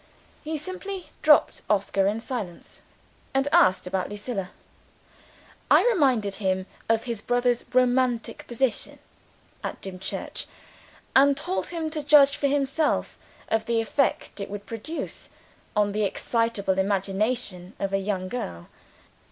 He simply dropped Oscar in silence; and asked about Lucilla. How had it begun on her side? I reminded him of his brother's romantic position at Dimchurch and told him to judge for himself of the effect it would produce on the excitable imagination of a young girl.